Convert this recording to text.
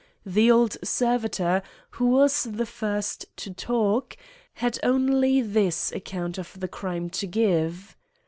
The old servitor, who was the first to talk, had only this account of the crime to give.